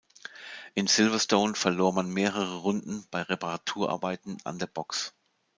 In Silverstone verlor man mehrere Runden bei Reparaturarbeiten an der Box.